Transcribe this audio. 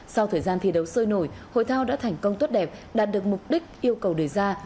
sau thời gian thi đấu sôi nổi hội thao đã thành công tốt đẹp đạt được mục đích yêu cầu đề ra